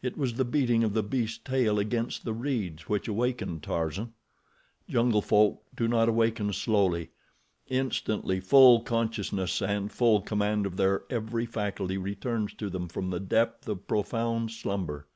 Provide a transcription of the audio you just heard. It was the beating of the beast's tail against the reeds which awakened Tarzan. Jungle folk do not awaken slowly—instantly, full consciousness and full command of their every faculty returns to them from the depth of profound slumber.